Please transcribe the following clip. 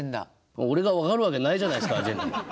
俺が分かるわけないじゃないっすかアジェンダ。